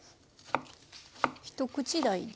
一口大に。